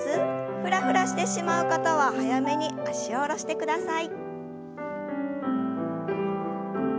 フラフラしてしまう方は早めに脚を下ろしてください。